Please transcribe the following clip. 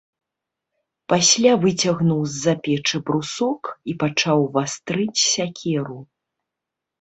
Пасля выцягнуў з-за печы брусок і пачаў вастрыць сякеру.